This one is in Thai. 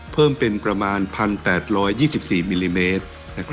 เพิ่มเป็นประมาณ๑๘๒๔มิลลิเมตร